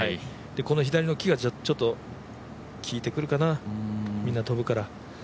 この左の木がきいてくるかな、みんな飛ぶから。